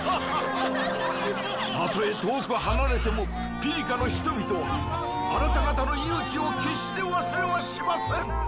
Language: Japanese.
たとえ遠く離れてもピリカの人々はアナタ方の勇気を決して忘れはしません。